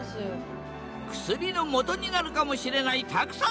薬のもとになるかもしれないたくさんのカビたち。